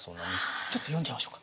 ちょっと読んじゃいましょうか。